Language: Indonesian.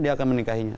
dia akan menikahinya